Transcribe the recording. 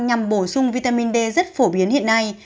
nhằm bổ sung vitamin d rất phổ biến hiện nay